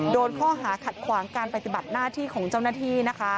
โดนข้อหาขัดขวางการปฏิบัติหน้าที่ของเจ้าหน้าที่นะคะ